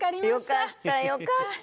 よかったよかった。